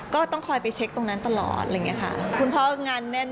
ก็เห็นด้วยนะ